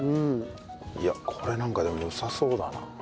いやこれなんかでもよさそうだな。